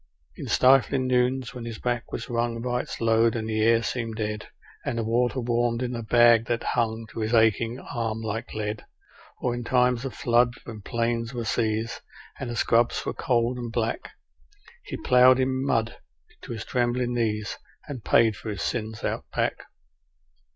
In stifling noons when his back was wrung by its load, and the air seemed dead, And the water warmed in the bag that hung to his aching arm like lead, Or in times of flood, when plains were seas, and the scrubs were cold and black, He ploughed in mud to his trembling knees, and paid for his sins Out Back.